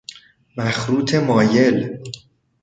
مخروط مایل